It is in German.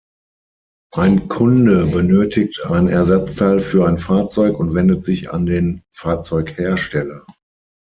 Ein Kunde benötigt ein Ersatzteil für ein Fahrzeug und wendet sich an den Fahrzeughersteller.